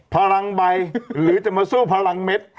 พลังใบหรือจะมาสู้พลังเม็ด